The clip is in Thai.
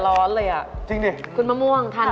น้ำหยดลงหินน้ำหยดลงหิน